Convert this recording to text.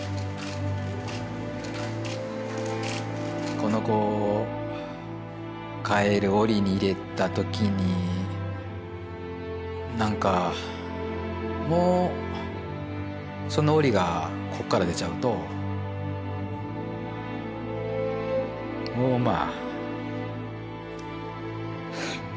この子を帰る檻に入れた時になんかもうその檻がこっから出ちゃうともうまあ。